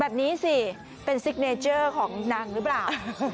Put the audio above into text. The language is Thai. แบบนี้สิเป็นซิกเนเจอร์ของนางหรือเปล่า